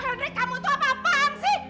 adik kamu tuh apa apaan sih